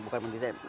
apa bukan mendesain